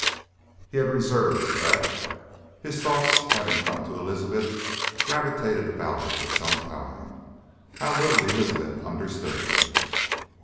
He had reserved that. His thoughts having come to Elizabeth gravitated about her for some time. How little Elizabeth understood him!